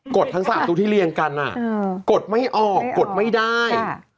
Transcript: ดทั้ง๓ตัวที่เรียงกันกดไม่ออกกดไม่ได้